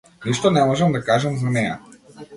Ништо не можам да кажам за неа.